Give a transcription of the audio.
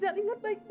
kamu tidak maupun ibu